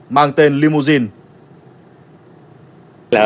mang tên limousine